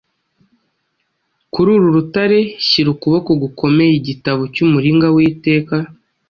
kuri uru rutare, shyira ukuboko gukomeye Igitabo cy'umuringa w'iteka,